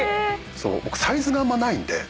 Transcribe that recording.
僕サイズがあんまないんで。